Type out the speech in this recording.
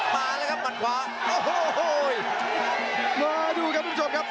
มาแล้วครับหมัดขวาโอ้โหดูครับคุณผู้ชมครับ